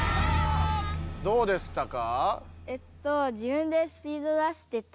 どうでしたか？